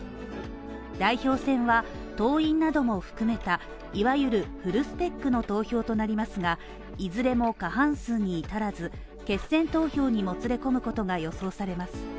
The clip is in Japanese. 代表選は党員なども含めた、いわゆるフルスペックの投票となりますが、いずれも過半数に至らず、決選投票にもつれ込むことが予想されます。